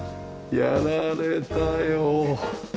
やられたよ。